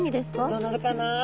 どうなるかな？